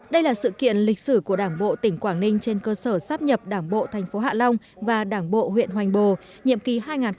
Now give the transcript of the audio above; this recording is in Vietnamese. đây là sự kiện lịch sử của đảng bộ tỉnh quảng ninh trên cơ sở sắp nhập đảng bộ tp hạ long và đảng bộ huyện hoành bồ nhiệm kỳ hai nghìn một mươi năm hai nghìn hai mươi